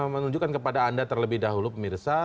menunjukkan kepada anda terlebih dahulu pemirsa